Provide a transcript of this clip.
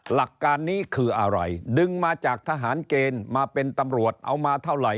หลักการนี้คืออะไรดึงมาจากทหารเกณฑ์มาเป็นตำรวจเอามาเท่าไหร่